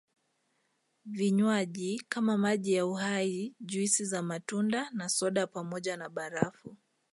Vinywaji kama maji ya Uhai juisi za matunda na soda pamoja na barafu